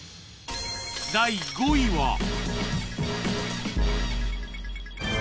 ［第５位は］